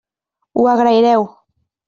Ho agraireu.